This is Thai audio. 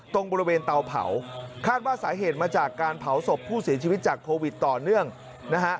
ตรงบริเวณเตาเผาคาดว่าสาเหตุมาจากการเผาศพผู้เสียชีวิตจากโควิดต่อเนื่องนะฮะ